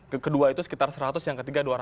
kedua itu sekitar seratus yang ketiga dua ratus